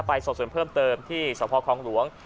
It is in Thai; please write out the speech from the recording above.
สอบส่วนเพิ่มเติมที่สภครองหลวง